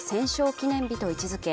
記念日と位置づけ